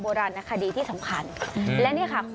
ต้องใช้ใจฟัง